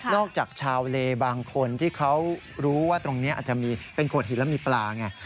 จากชาวเลบางคนที่เขารู้ว่าตรงนี้อาจจะมีเป็นโขดหินแล้วมีปลาไง